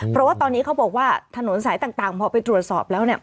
เพราะว่าตอนนี้เขาบอกว่าถนนสายต่างพอไปตรวจสอบแล้วเนี่ย